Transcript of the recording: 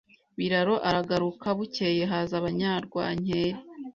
Biraro aragaruka Bukeye haza abanyarwankeri